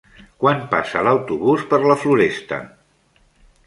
Quan passa l'autobús per la Floresta?